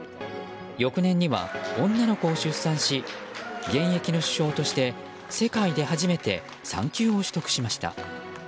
翌年には女の子を出産し現役の首相として世界で初めて産休を取得しました。